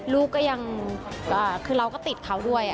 ลูกก็ยังคือเราก็ติดเขาด้วย